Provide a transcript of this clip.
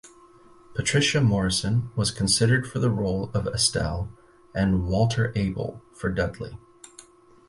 Patricia Morison was considered for the role of Estelle, and Walter Abel for Dudley.